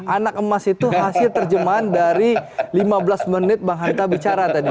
anak emas itu hasil terjemahan dari lima belas menit bang hanta bicara tadi